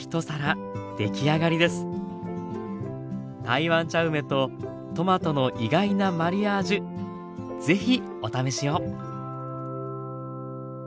台湾茶梅とトマトの意外なマリアージュ是非お試しを。